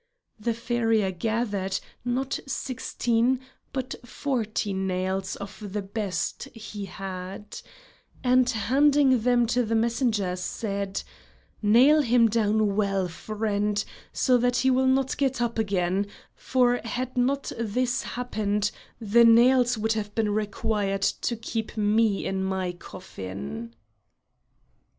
The farrier gathered, not sixteen but forty nails of the best he had, and, handing them to the messenger, said: "Nail him down well, friend, so that he will not get up again, for had not this happened, the nails would have been required to keep me in my coffin."